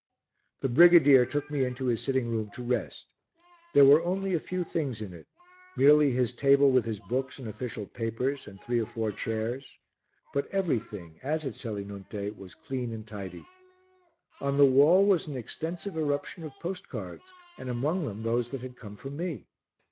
The brigadier took me into his sitting room to rest. There were only a few things in it, merely his table with his books and official papers and three or four chairs; but everything, as at Selinunte, was clean and tidy. On the wall was an extensive eruption of postcards and among them those that had come from me.